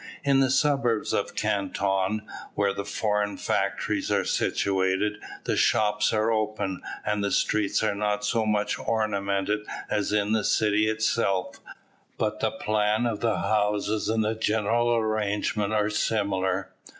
In the suburbs of Canton, where the foreign factories are situated, the shops are open, and the streets are not so much ornamented as in the city itself, but the plan of the houses and the general arrangements are similar.